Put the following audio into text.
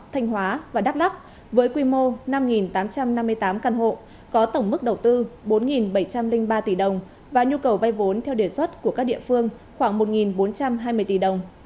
thanh hóa và đắk lắk với quy mô năm tám trăm năm mươi tám căn hộ có tổng mức đầu tư bốn bảy trăm linh ba tỷ đồng và nhu cầu vay vốn theo đề xuất của các địa phương khoảng một bốn trăm hai mươi tỷ đồng